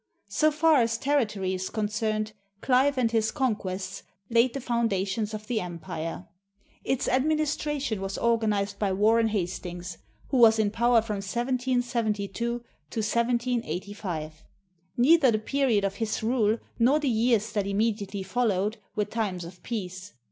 So far as territory is concerned, Clive and his conquests laid the foundations of the empire. Its administration was organized by Warren Hastings, who w^as in power from 1772 to 1785. Neither the period of his rule nor the years that immediately followed were times of peace.